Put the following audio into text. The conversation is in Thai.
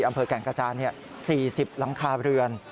ที่อำเภอแก๋งกระจาน๔๕หลังคาเหลือน